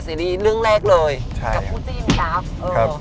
ซีรีส์เรื่องแรกเลยกับผู้จิ้มครับ